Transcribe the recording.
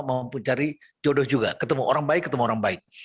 mencari jodoh juga ketemu orang baik ketemu orang baik